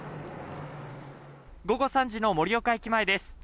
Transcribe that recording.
午後３時の盛岡駅前です。